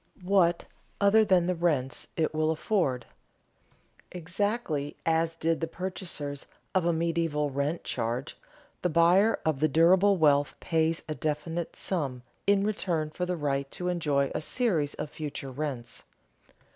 What other than the rents it will afford? Exactly as did the purchasers of a medieval rent charge, the buyer of the durable wealth pays a definite sum in return for the right to enjoy a series of future rents.